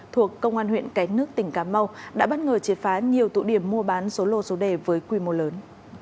thuộc công an huyện cái nước tỉnh cà mau đã bất ngờ chế phá nhiều tụ điểm mua bán số lô số đề với quy mô lớn